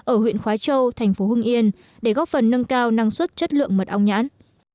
ở huyện khói châu thành phố hưng yên để góp phần nâng cao năng suất chất lượng mật ong nhãn